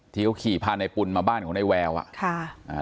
ที่เขาขี่พาในปุ่นมาบ้านของนายแววอ่ะค่ะอ่า